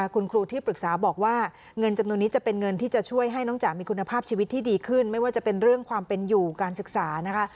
คุณครูที่ปรึกษาบอกว่าเงินจำนวนนี้จะเป็นเงินที่จะช่วยให้น้องจ๋ามีคุณภาพชีวิตที่ดีขึ้นไม่ว่าจะเป็นเรื่องความเป็นอยู่การศึกษานะคะ